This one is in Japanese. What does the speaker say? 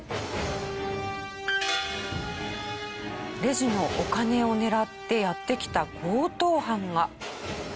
レジのお金を狙ってやって来た強盗犯が。